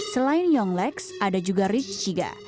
selain yong lex ada juga rich chiga